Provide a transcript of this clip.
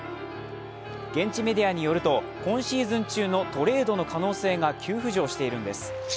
現地メディアによると今シーズン中のトレードの可能性が急浮上しているんです。